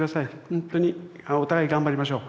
本当にお互い頑張りましょう。